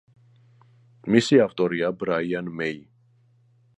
მისი ავტორია ბრაიან მეი.